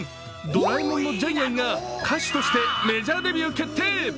「ドラえもん」のジャイアンが歌手としてメジャーデビュー決定。